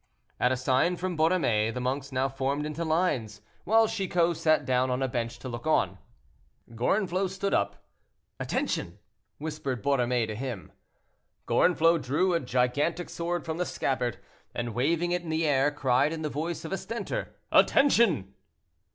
At a sign from Borromée, the monks now formed into lines, while Chicot sat down on a bench to look on. Gorenflot stood up. "Attention," whispered Borromée to him. Gorenflot drew a gigantic sword from the scabbard, and waving it in the air, cried in the voice of a stentor, "Attention!"